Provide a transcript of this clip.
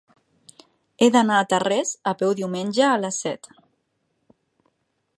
He d'anar a Tarrés a peu diumenge a les set.